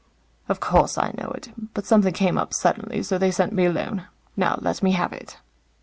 "Of course, I know it. But something came up suddenly, so they sent me alone. Now, let me have it."